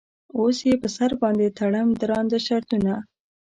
اوس یې په سر باندې تړم درانده شرطونه.